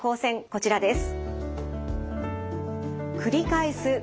こちらです。